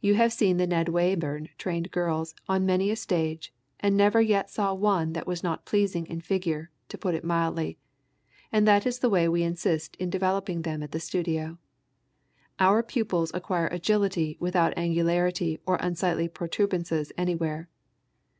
You have seen the Ned Wayburn trained girls on many a stage, and never yet saw one that was not pleasing in figure, to put it mildly, and that is the way we insist in developing them at the studio. Our pupils acquire agility without angularity or unsightly protuberances anywhere.